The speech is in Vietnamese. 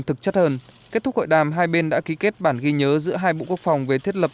thực chất hơn kết thúc hội đàm hai bên đã ký kết bản ghi nhớ giữa hai bộ quốc phòng về thiết lập